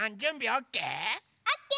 オッケー！